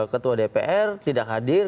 ketua dpr tidak hadir